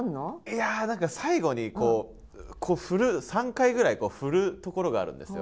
いや何か最後にこう振る３回ぐらい振るところがあるんですよ